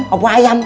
kamu tuh ikan